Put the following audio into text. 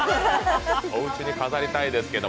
おうちに飾りたいですけど。